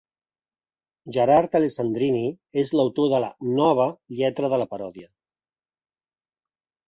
Gerard Alessandrini és l'autor de la "nova" lletra de la paròdia.